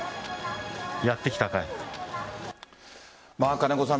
金子さん